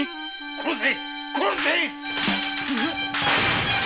殺せ！